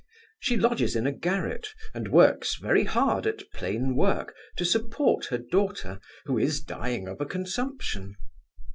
She lodges in a garret, and works very hard at plain work, to support her daughter, who is dying of a consumption.